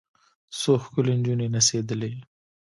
څو ښکلې نجونې نڅېدلې.